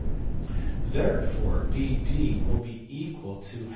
Therefore ED will be equal to